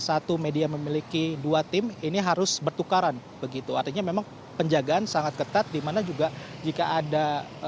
satu media memiliki dua tim ini harus bertukaran begitu artinya memang penjagaan sangat ketat dimana juga jika ada